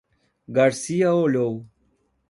Garcia olhou: